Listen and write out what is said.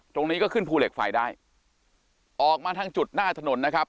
ตรงนี้ก็ขึ้นภูเหล็กไฟได้ออกมาทางจุดหน้าถนนนะครับ